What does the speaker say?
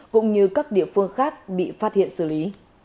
cũng như các địa phương khác bị phát hiện xử lý